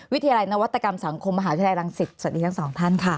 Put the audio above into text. วิทยาลัยนวัตกรรมสังคมมหาวิทยาลัยรังสิตสวัสดีทั้งสองท่านค่ะ